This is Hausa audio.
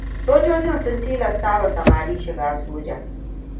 Sojojin sun tilasta wa samari shiga soja.